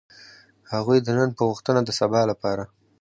هغوی د نن په غوښتنه د سبا لپاره.